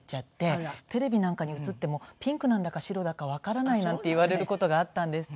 テレビなんかに映ってもピンクなんだか白だかわからないなんて言われる事があったんですね。